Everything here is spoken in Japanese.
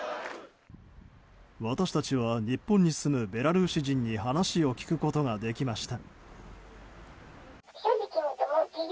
私たちは日本に住むベラルーシ人に話を聞くことができました。